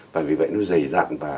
và vì vậy nó dày dặn